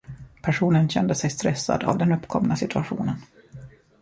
Personen kände sig stressad av den uppkomna situationen.